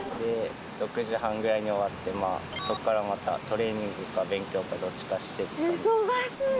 ６時半ぐらいに終わってそっからまたトレーニングか勉強かどっちかしてって感じですね。